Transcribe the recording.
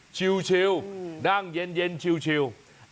ชิวนั่งเย็นชิว